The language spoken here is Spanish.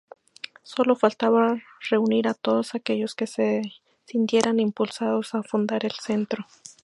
Sólo faltaba reunir a todos aquellos que se sintieran impulsados a fundar el Centro.